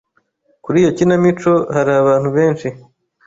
Kuri iyo kinamico hari abantu benshi.